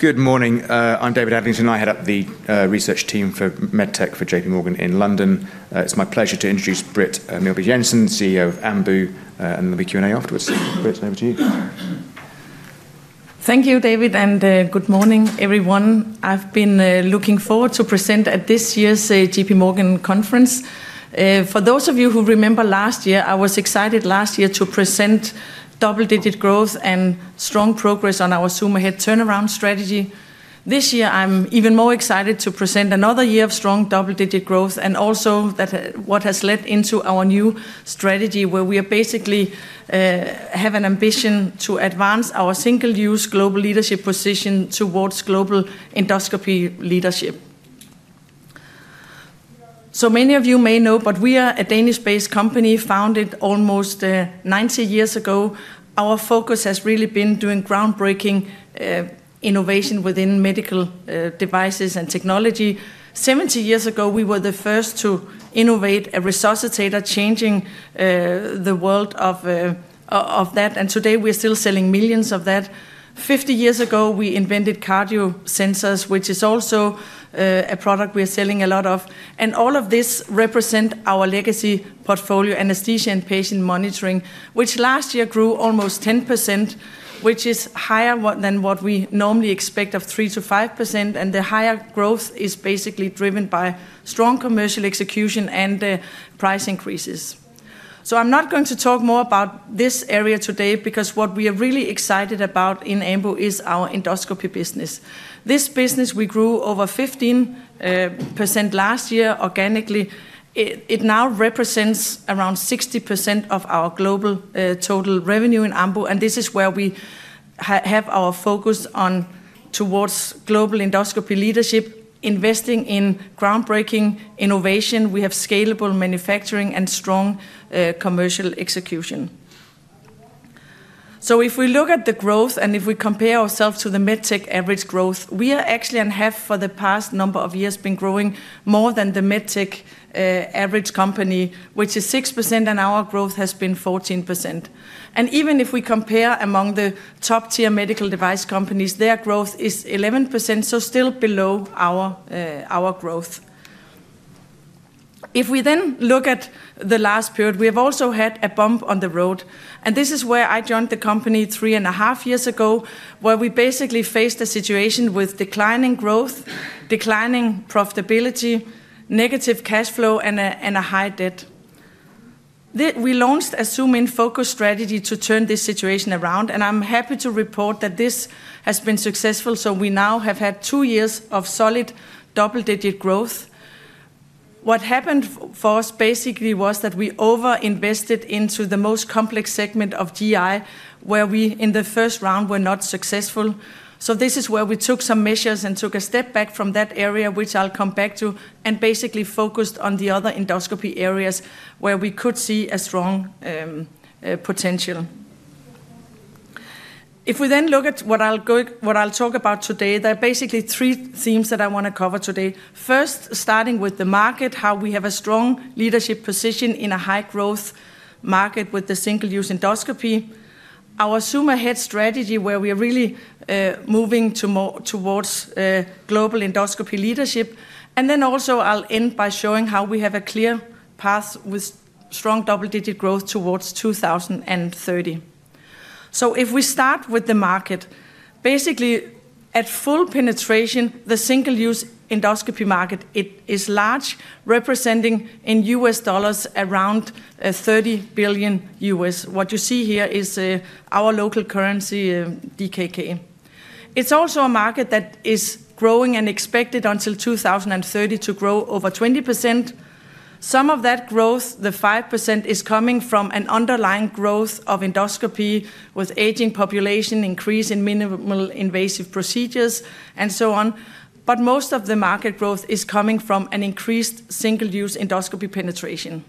Good morning. I'm David Adlington. I head up the research team for MedTech for J.P. Morgan in London. It's my pleasure to introduce Britt Meelby Jensen, CEO of Ambu, and there'll be Q&A afterwards. Britt, over to you. Thank you, David, and good morning, everyone. I've been looking forward to presenting at this year's J.P. Morgan conference. For those of you who remember last year, I was excited last year to present double-digit growth and strong progress on our Zoom In turnaround strategy. This year, I'm even more excited to present another year of strong double-digit growth and also what has led into our new strategy, where we basically have an ambition to advance our single-use global leadership position towards global endoscopy leadership. So many of you may know, but we are a Danish-based company founded almost 90 years ago. Our focus has really been doing groundbreaking innovation within medical devices and technology. 70 years ago, we were the first to innovate a resuscitator, changing the world of that, and today we're still selling millions of that. 50 years ago, we invented cardio sensors, which is also a product we're selling a lot of, and all of this represents our legacy portfolio, anesthesia and patient monitoring, which last year grew almost 10%, which is higher than what we normally expect of 3% to 5%, and the higher growth is basically driven by strong commercial execution and price increases, so I'm not going to talk more about this area today because what we are really excited about in Ambu is our endoscopy business. This business, we grew over 15% last year organically. It now represents around 60% of our global total revenue in Ambu, and this is where we have our focus towards global endoscopy leadership, investing in groundbreaking innovation. We have scalable manufacturing and strong commercial execution. So if we look at the growth and if we compare ourselves to the MedTech average growth, we are actually and have for the past number of years been growing more than the MedTech average company, which is 6%, and our growth has been 14%. And even if we compare among the top-tier medical device companies, their growth is 11%, so still below our growth. If we then look at the last period, we have also had a bump on the road, and this is where I joined the company three and a half years ago, where we basically faced a situation with declining growth, declining profitability, negative cash flow, and a high debt. We launched a Zoom In focus strategy to turn this situation around, and I'm happy to report that this has been successful. So we now have had two years of solid double-digit growth. What happened for us basically was that we over-invested into the most complex segment of GI, where we in the first round were not successful, so this is where we took some measures and took a step back from that area, which I'll come back to, and basically focused on the other endoscopy areas where we could see a strong potential. If we then look at what I'll talk about today, there are basically three themes that I want to cover today. First, starting with the market, how we have a strong leadership position in a high-growth market with the single-use endoscopy. Our Zoom In strategy, where we are really moving towards global endoscopy leadership, and then also I'll end by showing how we have a clear path with strong double-digit growth towards 2030. So if we start with the market, basically at full penetration, the single-use endoscopy market is large, representing in .U.S. dollars around $30 billion. What you see here is our local currency, DKK. It's also a market that is growing and expected until 2030 to grow over 20%. Some of that growth, the 5%, is coming from an underlying growth of endoscopy with aging population, increase in minimal invasive procedures, and so on. But most of the market growth is coming from an increased single-use endoscopy penetration.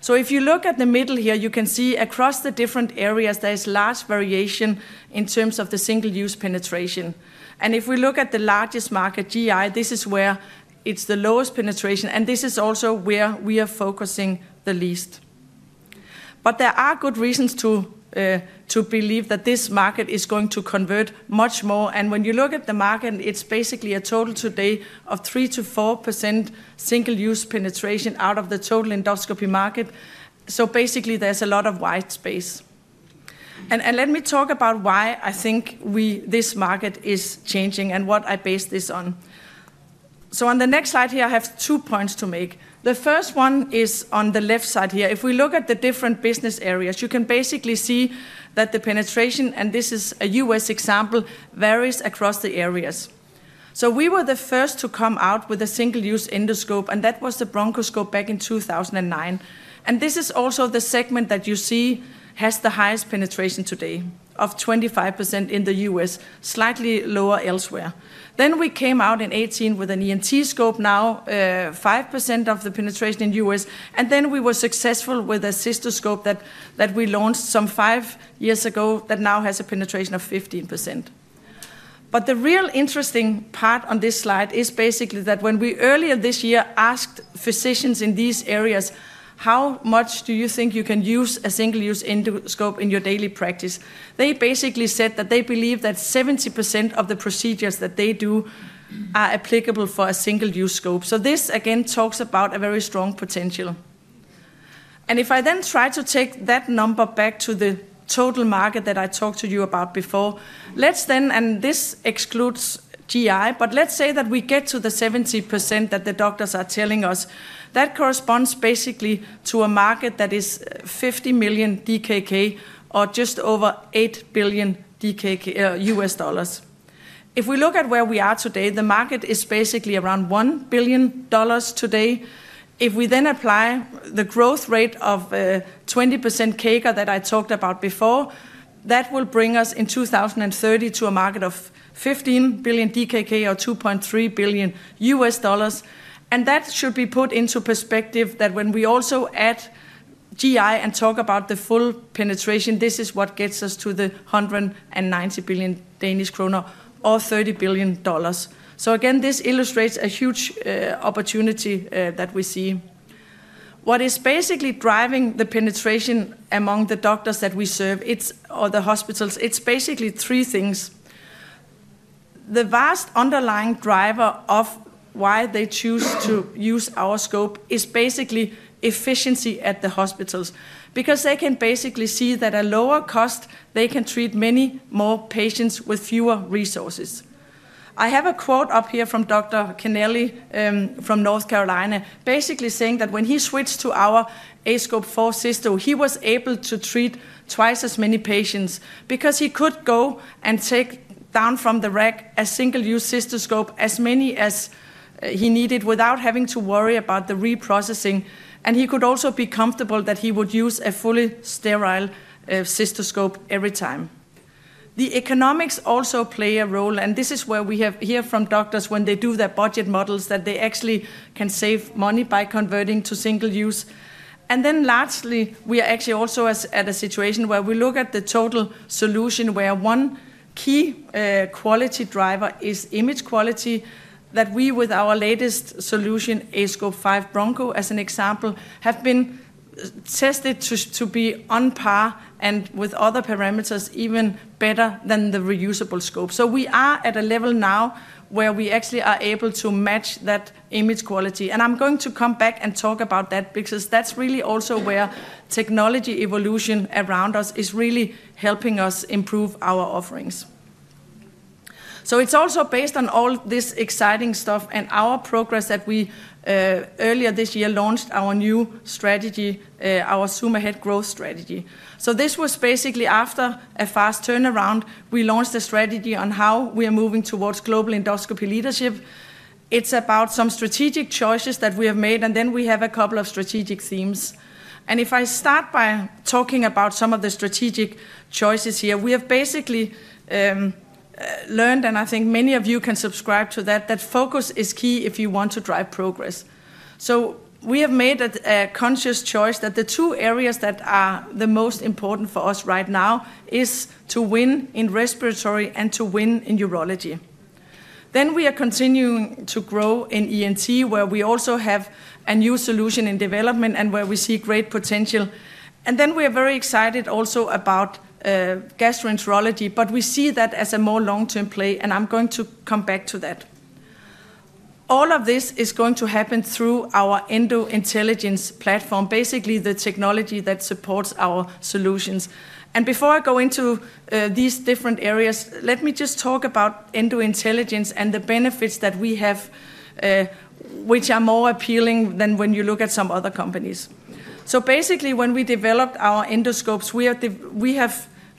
So if you look at the middle here, you can see across the different areas, there is large variation in terms of the single-use penetration. And if we look at the largest market, GI, this is where it's the lowest penetration, and this is also where we are focusing the least. But there are good reasons to believe that this market is going to convert much more. And when you look at the market, it's basically a total today of 3%-4% single-use penetration out of the total endoscopy market. So basically, there's a lot of white space. And let me talk about why I think this market is changing and what I base this on. So on the next slide here, I have two points to make. The first one is on the left side here. If we look at the different business areas, you can basically see that the penetration, and this is a U.S. example, varies across the areas. So we were the first to come out with a single-use endoscope, and that was the bronchoscope back in 2009. This is also the segment that you see has the highest penetration today of 25% in the U.S., slightly lower elsewhere. We came out in 2018 with an ENT scope, now 5% of the penetration in the U.S. We were successful with a cystoscope that we launched some five years ago that now has a penetration of 15%. The real interesting part on this slide is basically that when we earlier this year asked physicians in these areas, "How much do you think you can use a single-use endoscope in your daily practice?" They basically said that they believe that 70% of the procedures that they do are applicable for a single-use scope. This again talks about a very strong potential. If I then try to take that number back to the total market that I talked to you about before, let's then, and this excludes GI, but let's say that we get to the 70% that the doctors are telling us, that corresponds basically to a market that is 50 million DKK or just over $8 billion. If we look at where we are today, the market is basically around $1 billion today. If we then apply the growth rate of 20% CAGR that I talked about before, that will bring us in 2030 to a market of 15 billion DKK or $2.3 billion. That should be put into perspective that when we also add GI and talk about the full penetration, this is what gets us to the 190 billion Danish kroner or $30 billion. Again, this illustrates a huge opportunity that we see. What is basically driving the penetration among the doctors that we serve or the hospitals? It's basically three things. The vast underlying driver of why they choose to use our scope is basically efficiency at the hospitals because they can basically see that at lower cost, they can treat many more patients with fewer resources. I have a quote up here from Dr. Kennelly from North Carolina, basically saying that when he switched to our aScope 4 Cysto, he was able to treat twice as many patients because he could go and take down from the rack a single-use cystoscope as many as he needed without having to worry about the reprocessing. He could also be comfortable that he would use a fully sterile cystoscope every time. The economics also play a role, and this is where we hear from doctors when they do their budget models that they actually can save money by converting to single-use. And then lastly, we are actually also at a situation where we look at the total solution where one key quality driver is image quality that we with our latest solution, aScope 5 Broncho as an example, have been tested to be on par and with other parameters even better than the reusable scope. So we are at a level now where we actually are able to match that image quality. And I'm going to come back and talk about that because that's really also where technology evolution around us is really helping us improve our offerings. So it's also based on all this exciting stuff and our progress that we earlier this year launched our new strategy, our Zoom In growth strategy. So this was basically after a fast turnaround. We launched a strategy on how we are moving towards global endoscopy leadership. It's about some strategic choices that we have made, and then we have a couple of strategic themes. And if I start by talking about some of the strategic choices here, we have basically learned, and I think many of you can subscribe to that, that focus is key if you want to drive progress. So we have made a conscious choice that the two areas that are the most important for us right now are to win in respiratory and to win in urology. Then we are continuing to grow in ENT, where we also have a new solution in development and where we see great potential. And then we are very excited also about gastroenterology, but we see that as a more long-term play, and I'm going to come back to that. All of this is going to happen through our EndoIntelligence platform, basically the technology that supports our solutions. And before I go into these different areas, let me just talk about EndoIntelligence and the benefits that we have, which are more appealing than when you look at some other companies. So basically, when we developed our endoscopes,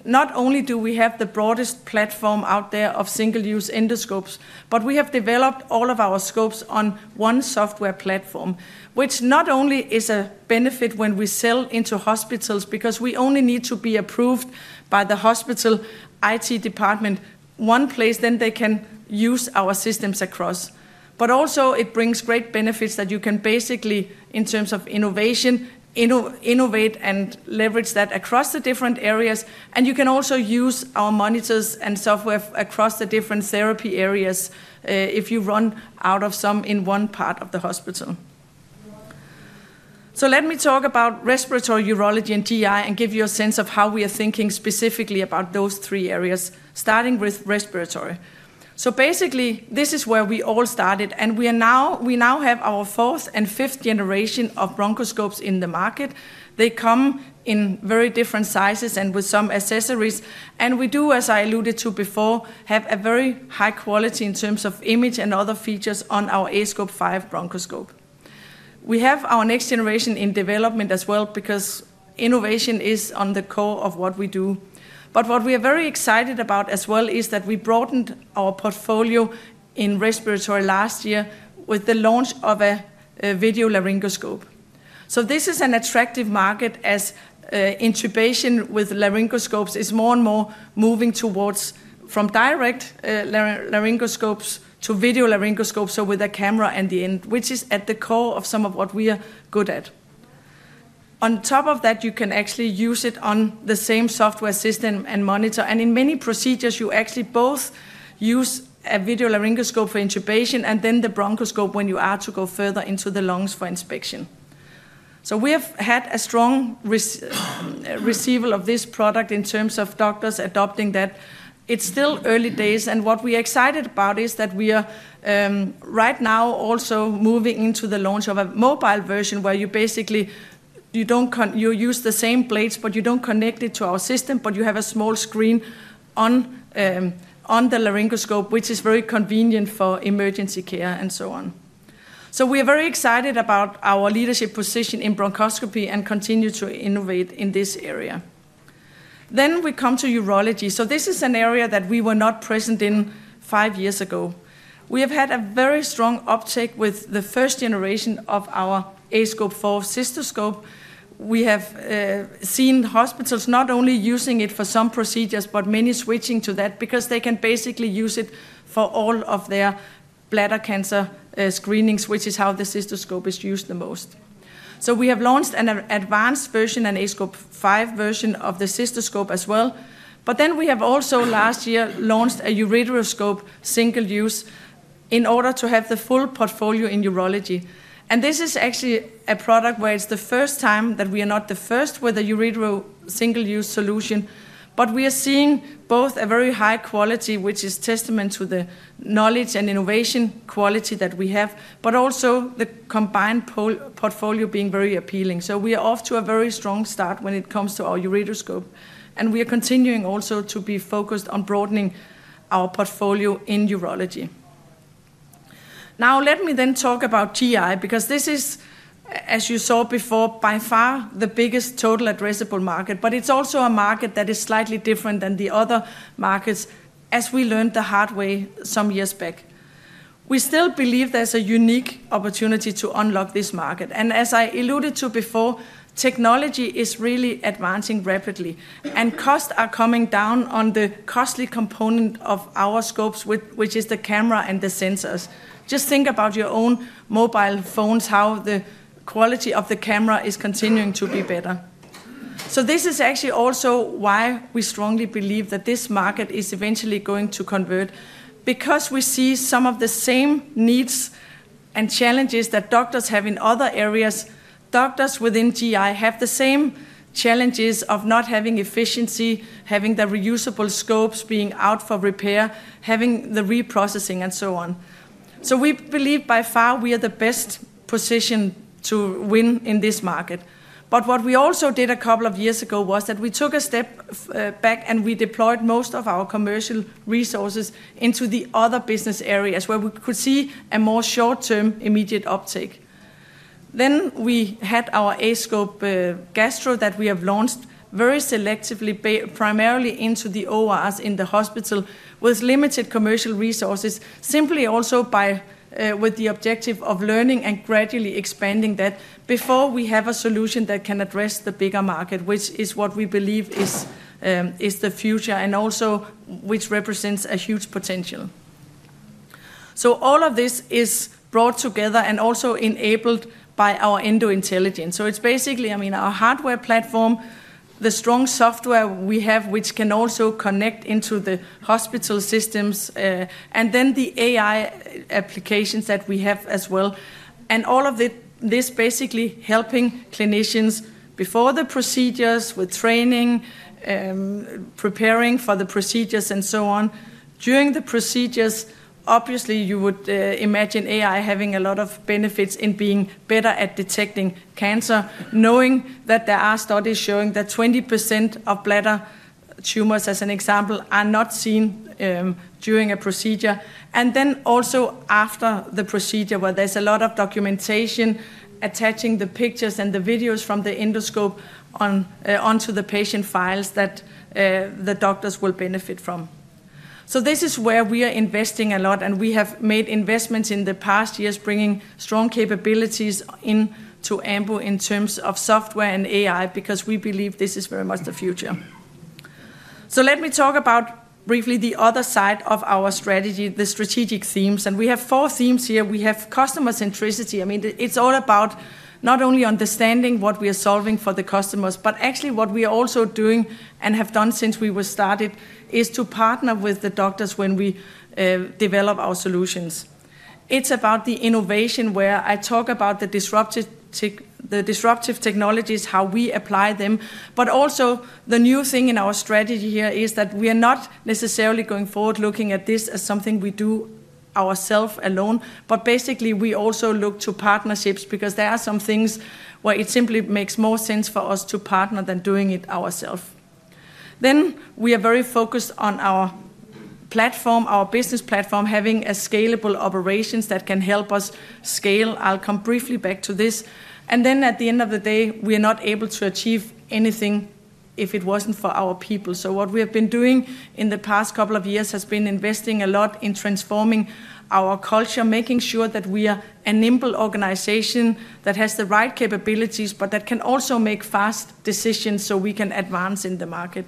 not only do we have the broadest platform out there of single-use endoscopes, but we have developed all of our scopes on one software platform, which not only is a benefit when we sell into hospitals because we only need to be approved by the hospital IT department one place, then they can use our systems across, but also it brings great benefits that you can basically, in terms of innovation, innovate and leverage that across the different areas, and you can also use our monitors and software across the different therapy areas if you run out of some in one part of the hospital, so let me talk about respiratory, urology, and GI and give you a sense of how we are thinking specifically about those three areas, starting with respiratory. So basically, this is where we all started, and we now have our fourth and fifth generation of bronchoscopes in the market. They come in very different sizes and with some accessories. And we do, as I alluded to before, have a very high quality in terms of image and other features on our aScope 5 bronchoscope. We have our next generation in development as well because innovation is on the core of what we do. But what we are very excited about as well is that we broadened our portfolio in respiratory last year with the launch of a video laryngoscope. So this is an attractive market as intubation with laryngoscopes is more and more moving towards from direct laryngoscopes to video laryngoscopes, so with a camera in the end, which is at the core of some of what we are good at. On top of that, you can actually use it on the same software system and monitor, and in many procedures, you actually both use a video laryngoscope for intubation and then the bronchoscope when you are to go further into the lungs for inspection, so we have had a strong reception of this product in terms of doctors adopting that. It's still early days, and what we are excited about is that we are right now also moving into the launch of a mobile version where you basically use the same blades, but you don't connect it to our system, but you have a small screen on the laryngoscope, which is very convenient for emergency care and so on, so we are very excited about our leadership position in bronchoscopy and continue to innovate in this area, then we come to urology. So this is an area that we were not present in five years ago. We have had a very strong uptake with the first generation of our aScope 4 cystoscope. We have seen hospitals not only using it for some procedures, but many switching to that because they can basically use it for all of their bladder cancer screenings, which is how the cystoscope is used the most. So we have launched an advanced version, an aScope 5 version of the cystoscope as well. But then we have also last year launched a ureteroscope single-use in order to have the full portfolio in urology. And this is actually a product where it's the first time that we are not the first with a ureteral single-use solution, but we are seeing both a very high quality, which is testament to the knowledge and innovation quality that we have, but also the combined portfolio being very appealing. So we are off to a very strong start when it comes to our ureteroscope. And we are continuing also to be focused on broadening our portfolio in urology. Now, let me then talk about GI because this is, as you saw before, by far the biggest total addressable market, but it's also a market that is slightly different than the other markets, as we learned the hard way some years back. We still believe there's a unique opportunity to unlock this market. And as I alluded to before, technology is really advancing rapidly, and costs are coming down on the costly component of our scopes, which is the camera and the sensors. Just think about your own mobile phones, how the quality of the camera is continuing to be better, so this is actually also why we strongly believe that this market is eventually going to convert because we see some of the same needs and challenges that doctors have in other areas. Doctors within GI have the same challenges of not having efficiency, having the reusable scopes being out for repair, having the reprocessing, and so on, so we believe by far we are the best position to win in this market. But what we also did a couple of years ago was that we took a step back and we deployed most of our commercial resources into the other business areas where we could see a more short-term immediate uptake. Then we had our aScope Gastro that we have launched very selectively, primarily into the ORs in the hospital with limited commercial resources, simply also with the objective of learning and gradually expanding that before we have a solution that can address the bigger market, which is what we believe is the future and also which represents a huge potential. So all of this is brought together and also enabled by our EndoIntelligence. So it's basically, I mean, our hardware platform, the strong software we have, which can also connect into the hospital systems, and then the AI applications that we have as well. All of this basically helping clinicians before the procedures with training, preparing for the procedures, and so on. During the procedures, obviously, you would imagine AI having a lot of benefits in being better at detecting cancer, knowing that there are studies showing that 20% of bladder tumors, as an example, are not seen during a procedure. And then also after the procedure, where there's a lot of documentation attaching the pictures and the videos from the endoscope onto the patient files that the doctors will benefit from. So this is where we are investing a lot, and we have made investments in the past years, bringing strong capabilities into Ambu in terms of software and AI because we believe this is very much the future. So let me talk about briefly the other side of our strategy, the strategic themes. And we have four themes here. We have customer centricity. I mean, it's all about not only understanding what we are solving for the customers, but actually what we are also doing and have done since we were started is to partner with the doctors when we develop our solutions. It's about the innovation where I talk about the disruptive technologies, how we apply them. But also the new thing in our strategy here is that we are not necessarily going forward looking at this as something we do ourselves alone, but basically we also look to partnerships because there are some things where it simply makes more sense for us to partner than doing it ourselves. Then we are very focused on our platform, our business platform, having a scalable operations that can help us scale. I'll come briefly back to this. Then at the end of the day, we are not able to achieve anything if it wasn't for our people. So what we have been doing in the past couple of years has been investing a lot in transforming our culture, making sure that we are a nimble organization that has the right capabilities, but that can also make fast decisions so we can advance in the market.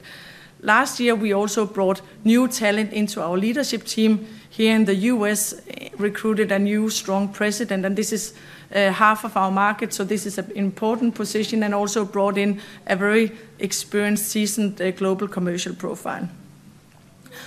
Last year, we also brought new talent into our leadership team here in the U.S., recruited a new strong president, and this is half of our market. So this is an important position and also brought in a very experienced, seasoned global commercial profile.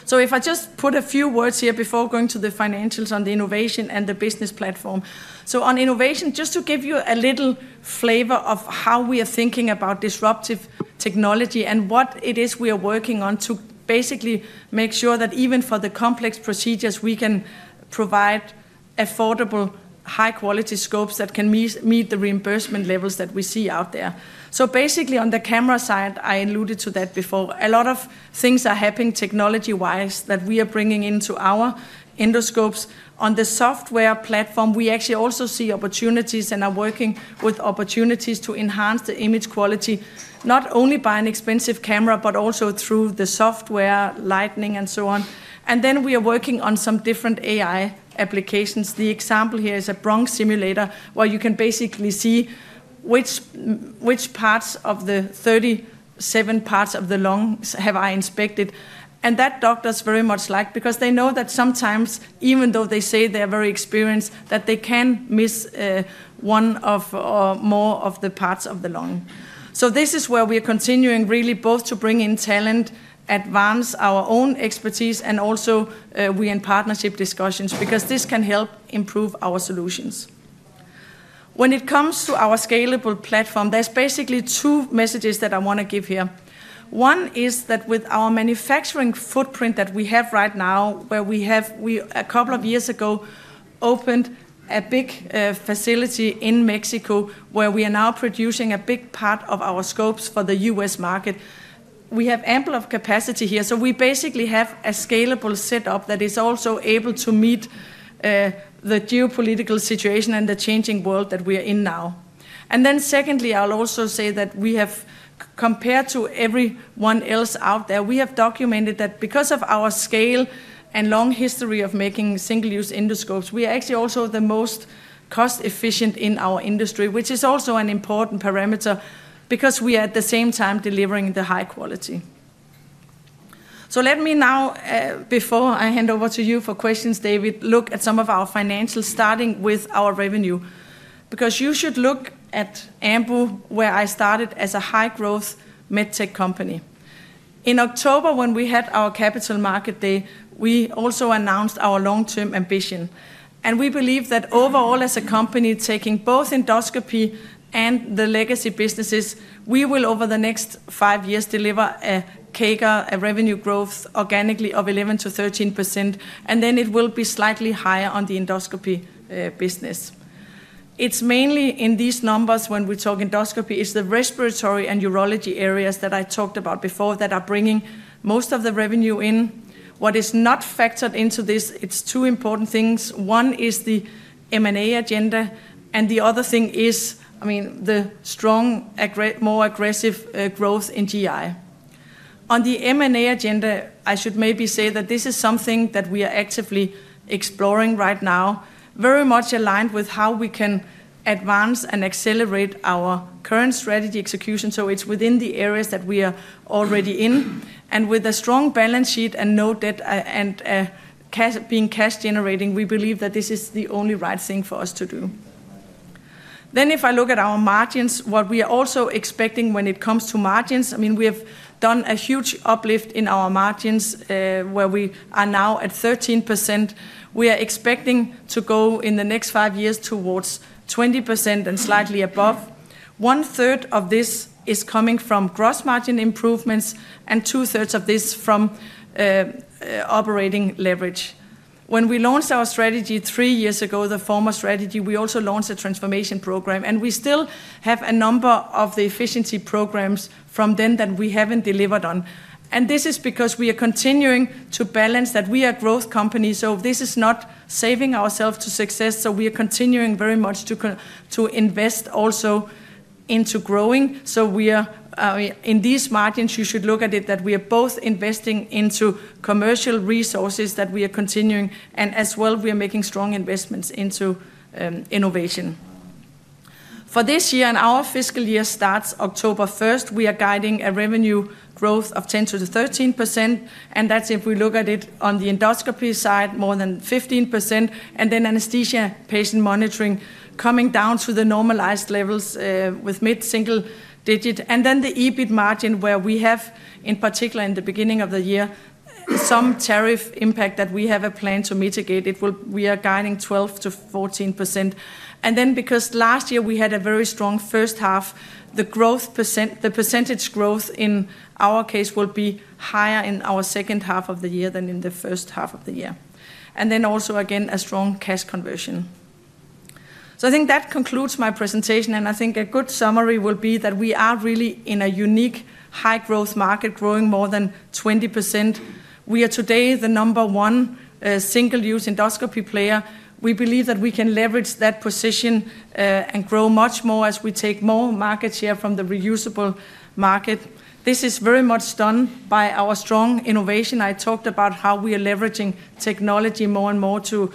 So if I just put a few words here before going to the financials on the innovation and the business platform. So on innovation, just to give you a little flavor of how we are thinking about disruptive technology and what it is we are working on to basically make sure that even for the complex procedures, we can provide affordable, high-quality scopes that can meet the reimbursement levels that we see out there. So basically on the camera side, I alluded to that before. A lot of things are happening technology-wise that we are bringing into our endoscopes. On the software platform, we actually also see opportunities and are working with opportunities to enhance the image quality, not only by an expensive camera, but also through the software, lighting, and so on. And then we are working on some different AI applications. The example here is a bronch simulator where you can basically see which parts of the 37 parts of the lungs have I inspected. And that doctors very much like, because they know that sometimes, even though they say they're very experienced, that they can miss one or more of the parts of the lung. So this is where we are continuing really both to bring in talent, advance our own expertise, and also we in partnership discussions because this can help improve our solutions. When it comes to our scalable platform, there's basically two messages that I want to give here. One is that with our manufacturing footprint that we have right now, where we have, a couple of years ago, opened a big facility in Mexico where we are now producing a big part of our scopes for the U.S. market. We have ample capacity here. So we basically have a scalable setup that is also able to meet the geopolitical situation and the changing world that we are in now. And then secondly, I'll also say that we have, compared to everyone else out there, we have documented that because of our scale and long history of making single-use endoscopes, we are actually also the most cost-efficient in our industry, which is also an important parameter because we are at the same time delivering the high quality. So let me now, before I hand over to you for questions, David, look at some of our financials, starting with our revenue, because you should look at Ambu, where I started as a high-growth MedTech company. In October, when we had our capital market day, we also announced our long-term ambition. We believe that overall, as a company taking both endoscopy and the legacy businesses, we will, over the next five years, deliver a CAGR, a revenue growth organically of 11%-13%, and then it will be slightly higher on the endoscopy business. It's mainly in these numbers when we talk endoscopy. It's the respiratory and urology areas that I talked about before that are bringing most of the revenue in. What is not factored into this. It's two important things. One is the M&A agenda, and the other thing is, I mean, the strong, more aggressive growth in GI. On the M&A agenda, I should maybe say that this is something that we are actively exploring right now, very much aligned with how we can advance and accelerate our current strategy execution. It's within the areas that we are already in. And with a strong balance sheet and no debt and being cash generating, we believe that this is the only right thing for us to do. Then if I look at our margins, what we are also expecting when it comes to margins, I mean, we have done a huge uplift in our margins where we are now at 13%. We are expecting to go in the next five years towards 20% and slightly above. One third of this is coming from gross margin improvements and two thirds of this from operating leverage. When we launched our strategy three years ago, the former strategy, we also launched a transformation program, and we still have a number of the efficiency programs from then that we haven't delivered on. And this is because we are continuing to balance that we are a growth company. So this is not saving ourselves to success. We are continuing very much to invest also into growing. In these margins, you should look at it that we are both investing into commercial resources that we are continuing, and as well, we are making strong investments into innovation. For this year, and our fiscal year starts October 1st, we are guiding a revenue growth of 10%-13%. That's if we look at it on the endoscopy side, more than 15%, and then anesthesia patient monitoring coming down to the normalized levels with mid-single digit. The EBIT margin where we have, in particular in the beginning of the year, some tariff impact that we have a plan to mitigate. We are guiding 12%-14%. And then, because last year we had a very strong first half, the growth percent, the percentage growth in our case will be higher in our second half of the year than in the first half of the year. And then also again, a strong cash conversion. So I think that concludes my presentation, and I think a good summary will be that we are really in a unique high-growth market, growing more than 20%. We are today the number one single-use endoscopy player. We believe that we can leverage that position and grow much more as we take more market share from the reusable market. This is very much done by our strong innovation. I talked about how we are leveraging technology more and more to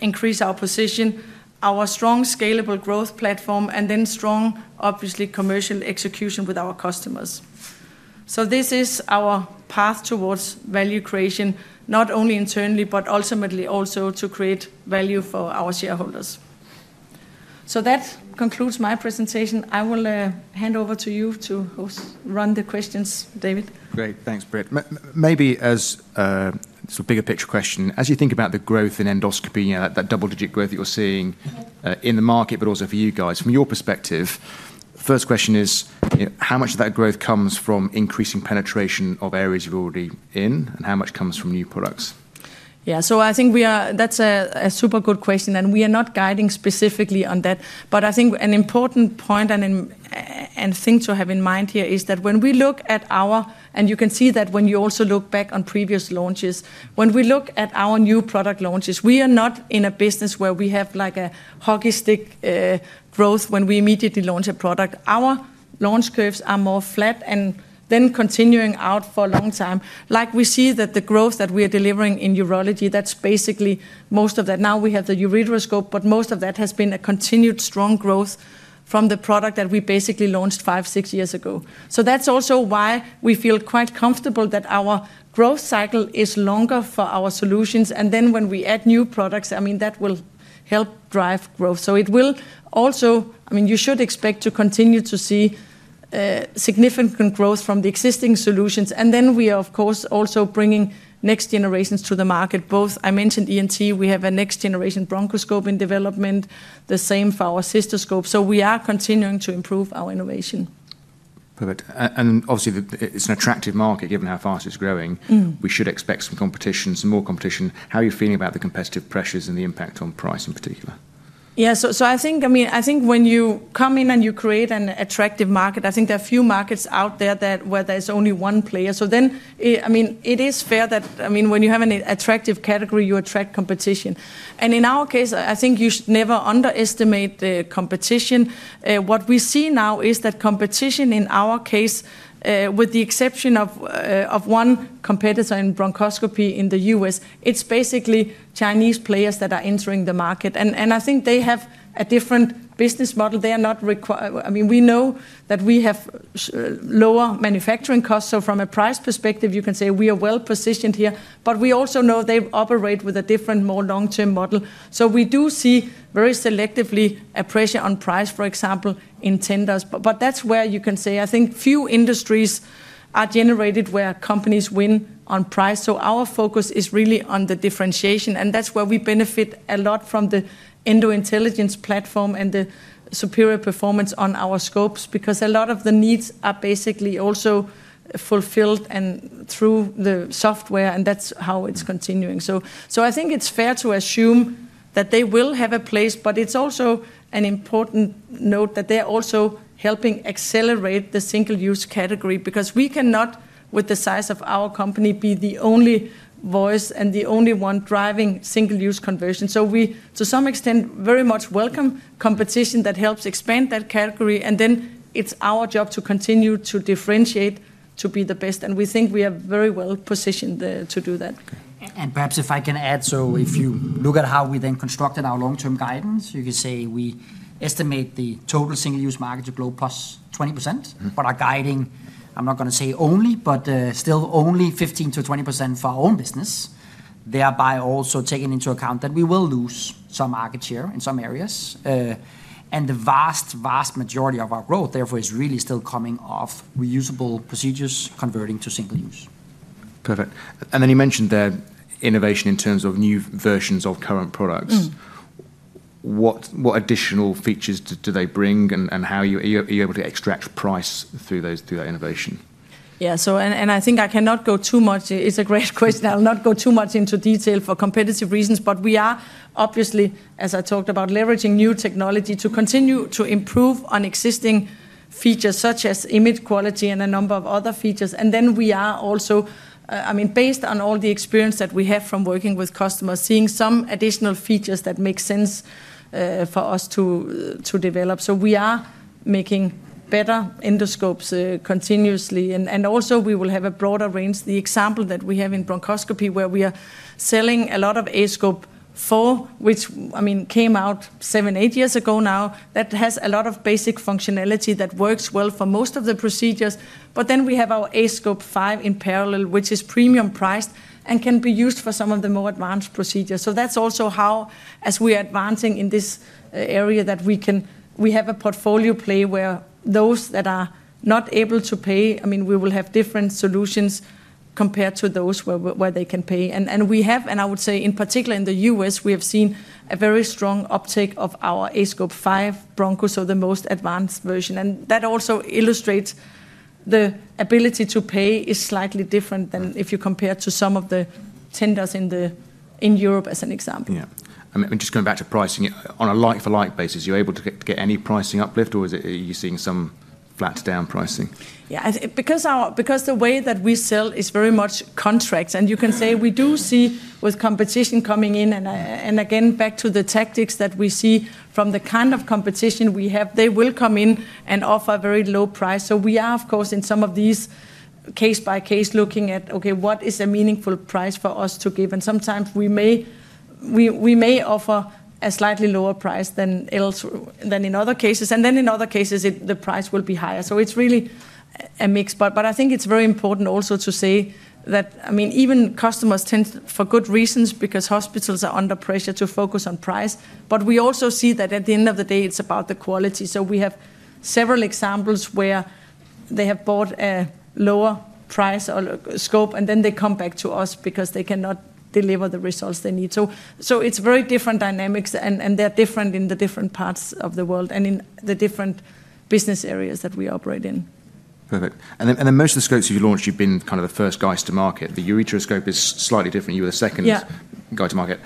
increase our position, our strong scalable growth platform, and then strong, obviously, commercial execution with our customers. So this is our path towards value creation, not only internally, but ultimately also to create value for our shareholders. So that concludes my presentation. I will hand over to you to run the questions, David. Great. Thanks, Britt. Maybe as a sort of bigger picture question, as you think about the growth in endoscopy, that double-digit growth that you're seeing in the market, but also for you guys, from your perspective, the first question is, how much of that growth comes from increasing penetration of areas you're already in, and how much comes from new products? Yeah, so I think we are, that's a super good question, and we are not guiding specifically on that. But I think an important point and thing to have in mind here is that when we look at our, and you can see that when you also look back on previous launches, when we look at our new product launches, we are not in a business where we have like a hockey stick growth when we immediately launch a product. Our launch curves are more flat and then continuing out for a long time. Like we see that the growth that we are delivering in urology, that's basically most of that. Now we have the ureteroscope, but most of that has been a continued strong growth from the product that we basically launched five, six years ago. So that's also why we feel quite comfortable that our growth cycle is longer for our solutions, and then when we add new products, I mean, that will help drive growth. So it will also, I mean, you should expect to continue to see significant growth from the existing solutions. And then we are, of course, also bringing next generations to the market. Both, I mentioned ENT, we have a next generation bronchoscope in development, the same for our cystoscope. So we are continuing to improve our innovation. Perfect. And obviously, it's an attractive market given how fast it's growing. We should expect some competition, some more competition. How are you feeling about the competitive pressures and the impact on price in particular? Yeah, so I think, I mean, I think when you come in and you create an attractive market, I think there are a few markets out there where there's only one player. So then, I mean, it is fair that, I mean, when you have an attractive category, you attract competition. In our case, I think you should never underestimate the competition. What we see now is that competition in our case, with the exception of one competitor in bronchoscopy in the U.S., it's basically Chinese players that are entering the market. I think they have a different business model. They are not required, I mean, we know that we have lower manufacturing costs. From a price perspective, you can say we are well positioned here, but we also know they operate with a different, more long-term model. We do see very selectively a pressure on price, for example, in tenders. That's where you can say, I think few industries are generated where companies win on price. Our focus is really on the differentiation, and that's where we benefit a lot from the EndoIntelligence platform and the superior performance on our scopes because a lot of the needs are basically also fulfilled and through the software, and that's how it's continuing. I think it's fair to assume that they will have a place, but it's also an important note that they're also helping accelerate the single-use category because we cannot, with the size of our company, be the only voice and the only one driving single-use conversion. We, to some extent, very much welcome competition that helps expand that category. Then it's our job to continue to differentiate to be the best. We think we are very well positioned to do that. And perhaps if I can add, so if you look at how we then constructed our long-term guidance, you can say we estimate the total single-use market to grow +20%, but are guiding. I'm not going to say only, but still only 15%-20% for our own business, thereby also taking into account that we will lose some market share in some areas. And the vast, vast majority of our growth, therefore, is really still coming off reusable procedures converting to single-use. Perfect. And then you mentioned that innovation in terms of new versions of current products. What additional features do they bring and how are you able to extract price through that innovation? Yeah, so and I think I cannot go too much, it's a great question. I'll not go too much into detail for competitive reasons, but we are obviously, as I talked about, leveraging new technology to continue to improve on existing features such as image quality and a number of other features, and then we are also, I mean, based on all the experience that we have from working with customers, seeing some additional features that make sense for us to develop, so we are making better endoscopes continuously, and also we will have a broader range. The example that we have in bronchoscopy where we are selling a lot of aScope 4, which, I mean, came out seven, eight years ago now, that has a lot of basic functionality that works well for most of the procedures, but then we have our aScope 5 in parallel, which is premium priced and can be used for some of the more advanced procedures. So that's also how, as we are advancing in this area, that we have a portfolio play where those that are not able to pay, I mean, we will have different solutions compared to those where they can pay. And we have, and I would say in particular in the U.S., we have seen a very strong uptake of our aScope 5 Broncho, so the most advanced version. And that also illustrates the ability to pay is slightly different than if you compare to some of the tenders in Europe as an example. Yeah. And just going back to pricing, on a like-for-like basis, you're able to get any pricing uplift or are you seeing some flat down pricing? Yeah, because the way that we sell is very much contracts. You can say we do see with competition coming in, and again, back to the tactics that we see from the kind of competition we have. They will come in and offer a very low price. So we are, of course, in some of these case-by-case looking at, okay, what is a meaningful price for us to give. And sometimes we may offer a slightly lower price than in other cases. And then in other cases, the price will be higher. So it's really a mix. But I think it's very important also to say that, I mean, even customers tend, for good reasons, because hospitals are under pressure to focus on price. But we also see that at the end of the day, it's about the quality. So we have several examples where they have bought a lower price scope, and then they come back to us because they cannot deliver the results they need. So it's very different dynamics, and they're different in the different parts of the world and in the different business areas that we operate in. Perfect. And then most of the scopes you've launched, you've been kind of the first guys to market. The ureteroscope is slightly different. You were the second guy to market.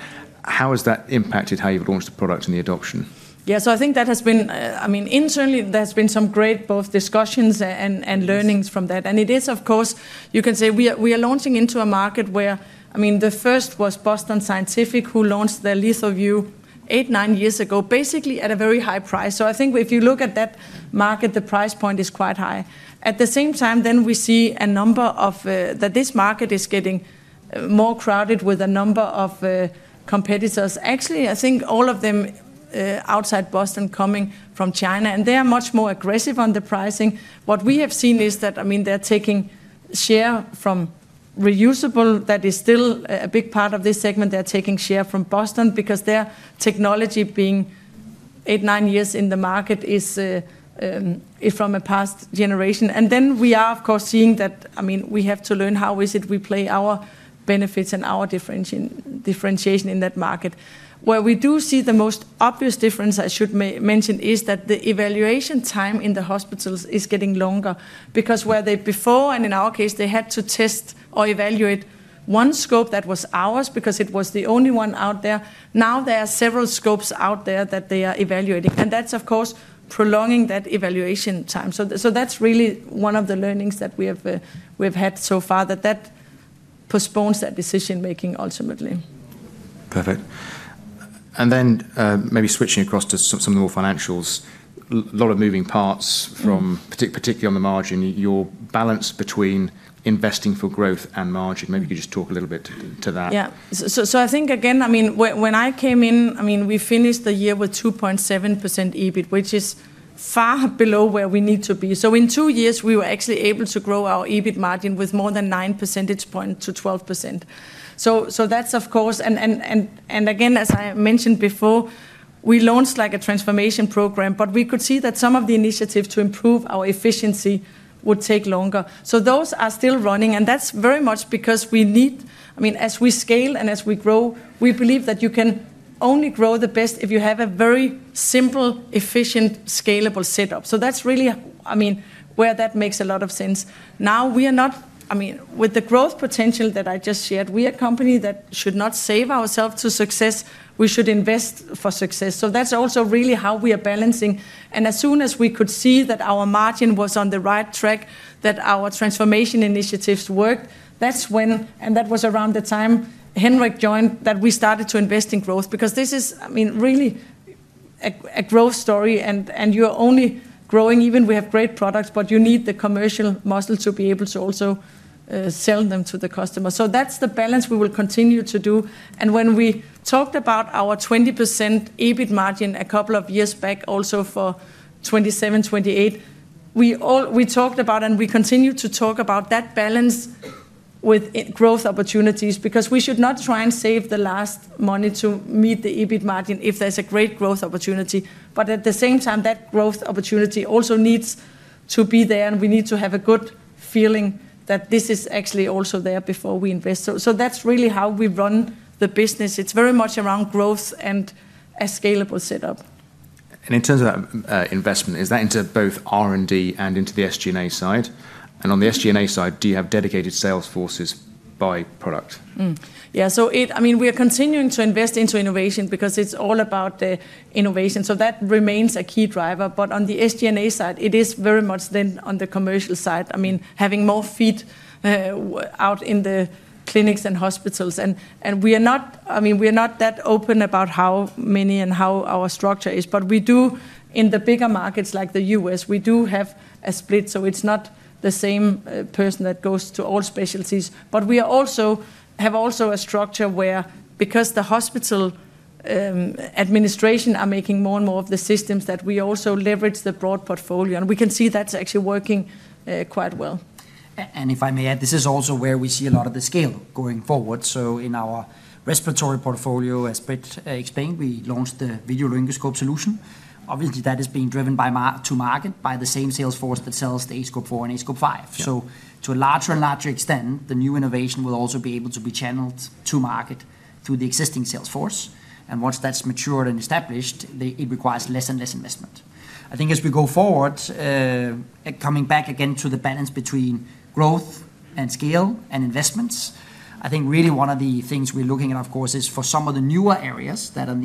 How has that impacted how you've launched the product and the adoption? Yeah, so I think that has been, I mean, internally, there has been some great both discussions and learnings from that. It is, of course, you can say we are launching into a market where, I mean, the first was Boston Scientific who launched their LithoVue eight, nine years ago, basically at a very high price. So I think if you look at that market, the price point is quite high. At the same time, then we see a number of that this market is getting more crowded with a number of competitors. Actually, I think all of them outside Boston coming from China, and they are much more aggressive on the pricing. What we have seen is that, I mean, they're taking share from reusable that is still a big part of this segment. They're taking share from Boston because their technology being eight, nine years in the market is from a past generation. And then we are, of course, seeing that. I mean, we have to learn how is it we play our benefits and our differentiation in that market. Where we do see the most obvious difference, I should mention, is that the evaluation time in the hospitals is getting longer because where they before, and in our case, they had to test or evaluate one scope that was ours because it was the only one out there. Now there are several scopes out there that they are evaluating, and that's, of course, prolonging that evaluation time. So that's really one of the learnings that we have had so far that that postpones that decision-making ultimately. Perfect. And then maybe switching across to some of the more financials, a lot of moving parts from particularly on the margin, your balance between investing for growth and margin. Maybe you could just talk a little bit to that. Yeah. So I think, again, I mean, when I came in, I mean, we finished the year with 2.7% EBIT, which is far below where we need to be. So in two years, we were actually able to grow our EBIT margin with more than 9 percentage points to 12%. So that's, of course, and again, as I mentioned before, we launched like a transformation program, but we could see that some of the initiatives to improve our efficiency would take longer. So those are still running, and that's very much because we need, I mean, as we scale and as we grow, we believe that you can only grow the best if you have a very simple, efficient, scalable setup. So that's really, I mean, where that makes a lot of sense. Now we are not. I mean, with the growth potential that I just shared, we are a company that should not starve ourselves to success. We should invest for success. So that's also really how we are balancing, and as soon as we could see that our margin was on the right track, that our transformation initiatives worked, that's when, and that was around the time Henrik joined, that we started to invest in growth because this is, I mean, really a growth story, and you're only growing even we have great products, but you need the commercial muscle to be able to also sell them to the customer. So that's the balance we will continue to do. When we talked about our 20% EBIT margin a couple of years back, also for 2027, 2028, we talked about and we continue to talk about that balance with growth opportunities because we should not try and save the last money to meet the EBIT margin if there's a great growth opportunity. But at the same time, that growth opportunity also needs to be there, and we need to have a good feeling that this is actually also there before we invest. So that's really how we run the business. It's very much around growth and a scalable setup. And in terms of that investment, is that into both R&D and into the SG&A side? And on the SG&A side, do you have dedicated sales forces by product? Yeah, so I mean, we are continuing to invest into innovation because it's all about the innovation. So that remains a key driver. But on the SG&A side, it is very much then on the commercial side, I mean, having more feet out in the clinics and hospitals. And we are not, I mean, that open about how many and how our structure is. But we do, in the bigger markets like the U.S., we do have a split. So it's not the same person that goes to all specialties. But we also have a structure where, because the hospital administration are making more and more of the systems, that we also leverage the broad portfolio. And we can see that's actually working quite well. And if I may add, this is also where we see a lot of the scale going forward. So in our respiratory portfolio, as Britt explained, we launched the video laryngoscope solution. Obviously, that is being driven to market by the same sales force that sells the A-Scope 4 and A-Scope 5. So to a larger and larger extent, the new innovation will also be able to be channeled to market through the existing sales force. And once that's matured and established, it requires less and less investment. I think as we go forward, coming back again to the balance between growth and scale and investments, I think really one of the things we're looking at, of course, is for some of the newer areas that are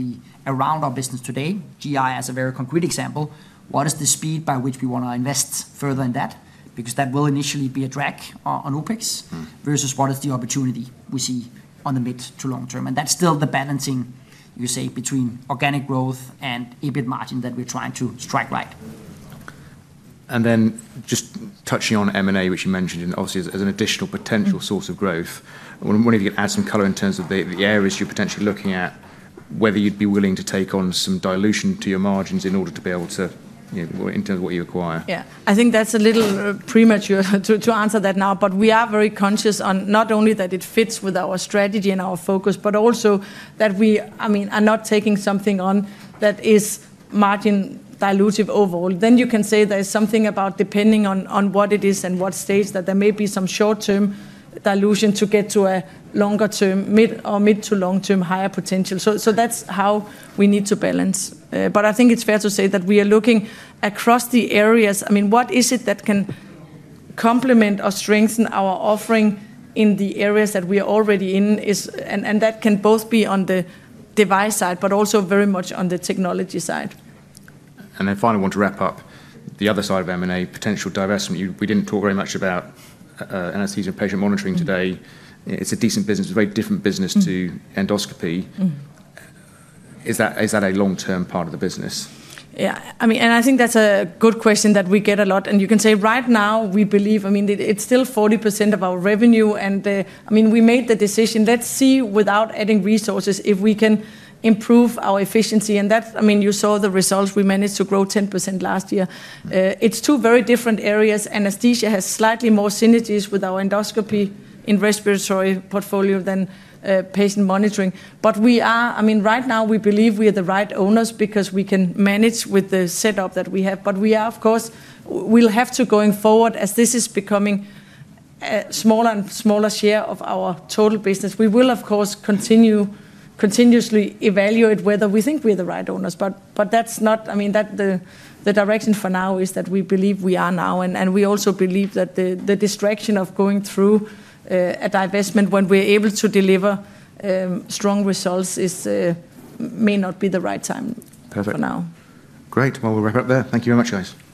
around our business today, GI as a very concrete example, what is the speed by which we want to invest further in that? Because that will initially be a drag on OpEx versus what is the opportunity we see on the mid to long term. And that's still the balancing, you say, between organic growth and EBIT margin that we're trying to strike, right. And then just touching on M&A, which you mentioned obviously as an additional potential source of growth, I wonder if you can add some color in terms of the areas you're potentially looking at, whether you'd be willing to take on some dilution to your margins in order to be able to, in terms of what you acquire. Yeah, I think that's a little premature to answer that now, but we are very conscious on not only that it fits with our strategy and our focus, but also that we, I mean, are not taking something on that is margin dilutive overall. Then you can say there's something about, depending on what it is and what stage, that there may be some short-term dilution to get to a longer-term mid or mid- to long-term higher potential. So that's how we need to balance. But I think it's fair to say that we are looking across the areas. I mean, what is it that can complement or strengthen our offering in the areas that we are already in? And that can both be on the device side, but also very much on the technology side. And then finally, I want to wrap up. The other side of M&A, potential divestment: we didn't talk very much about anesthesia and patient monitoring today. It's a decent business, a very different business to endoscopy. Is that a long-term part of the business? Yeah, I mean, and I think that's a good question that we get a lot. And you can say right now we believe, I mean, it's still 40% of our revenue. And I mean, we made the decision, let's see without adding resources if we can improve our efficiency. And that's, I mean, you saw the results. We managed to grow 10% last year. It's two very different areas. Anesthesia has slightly more synergies with our endoscopy and respiratory portfolio than patient monitoring. But we are, I mean, right now we believe we are the right owners because we can manage with the setup that we have. But we are, of course, we'll have to going forward as this is becoming a smaller and smaller share of our total business. We will, of course, continue continuously evaluate whether we think we are the right owners. But that's not. I mean, the direction for now is that we believe we are now. And we also believe that the distraction of going through a divestment when we're able to deliver strong results may not be the right time for now. Perfect. Great. Well, we'll wrap it up there. Thank you very much, guys. Thank you.